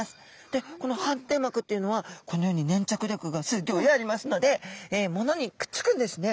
でこの反転膜っていうのはこのようにねんちゃく力がすっギョいありますのでものにくっつくんですね。